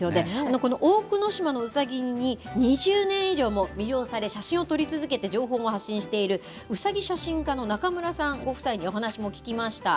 この大久野島のうさぎに２０年以上も魅了され、写真を撮り続けて情報を発信している、うさぎ写真家の中村さんご夫妻にお話も聞きました。